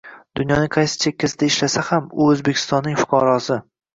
Dunyoning qaysi chekkasida ishlasa ham u O‘zbekistonning fuqarosi